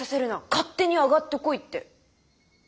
勝手に上がってこい」って。